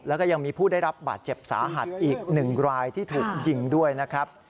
แล้วก็ยังมีผู้ได้รับบาดเจ็บสาหัสอีก๑รายที่ถูกยิงด้วยนะครับ